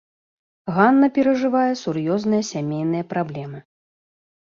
Ганна перажывае сур'ёзныя сямейныя праблемы.